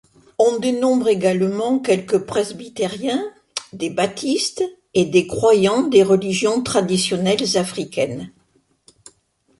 On dénombre également quelques presbytériens, des baptistes et des croyants des religions traditionnelles africaines.